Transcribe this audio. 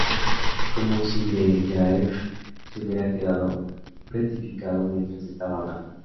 Como si De Graeff se hubiera quedado "petrificado" mientras estaba hablando.